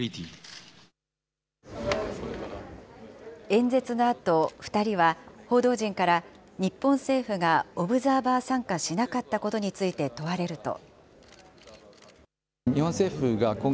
演説のあと、２人は報道陣から日本政府がオブザーバー参加しなかったことについて問われると。